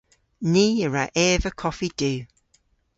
Ni a wra eva koffi du.